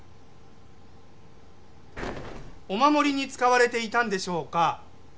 お守りに使われていたんでしょうか？